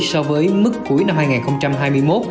so với mức cuối năm hai nghìn hai mươi một